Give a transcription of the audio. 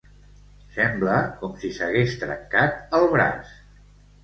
Sembla com si s'hagués trencat el braç.